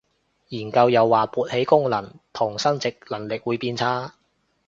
研究又話勃起功能同生殖能力會變差